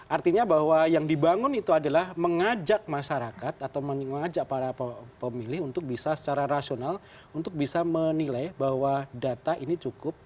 artinya bahwa yang dibangun itu adalah mengajak masyarakat atau mengajak para pemilih untuk bisa secara rasional untuk bisa menilai bahwa data ini cukup